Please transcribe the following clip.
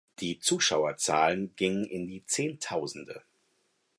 Die Zuschauerzahlen gingen in die Zehntausende.